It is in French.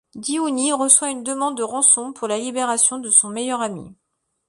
Dihouny reçoit une demande de rançon pour la libération de son meilleur ami.